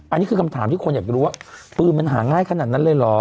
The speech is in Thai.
อันนี้คือคำถามที่คนอยากรู้ว่าปืนมันหาง่ายขนาดนั้นเลยเหรอ